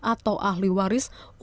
atau ahli waris untuk mencari perjanjian